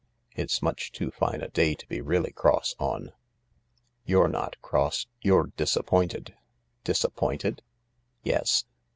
It's much too fine a day to be really cross on. You're not cross. You're disappointed." "Disappointed?" " Yes.